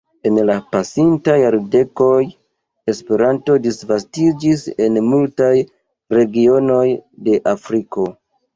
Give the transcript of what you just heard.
En la pasintaj jardekoj Esperanto disvastiĝis en multaj regionoj de Afriko.